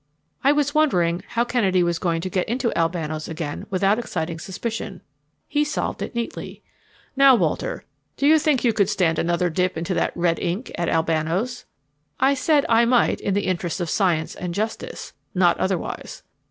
I was wondering how Kennedy was going to get into Albano's again without exciting suspicion. He solved it neatly. "Now, Walter, do you think you could stand another dip into that red ink of Albano's?" I said I might in the interests of science and justice not otherwise.